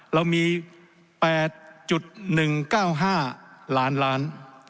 เรามี๘๑๙๕ล้านล้าน